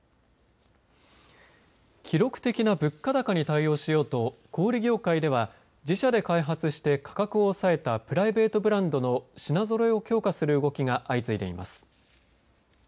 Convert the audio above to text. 記録的な物価高に対応しようと小売業界では自社で開発して価格を抑えたプライベートブランドの品ぞろえを強化する動きが相次いでいます。